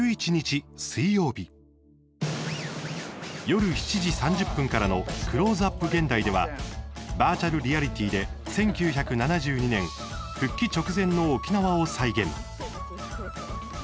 夜７時３０分からの「クローズアップ現代」ではバーチャルリアリティーで１９７２年復帰直前の沖縄を再現。